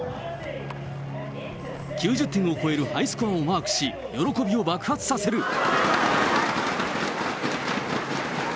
９０点を超えるハイスコアをマークし、喜びを爆発させる。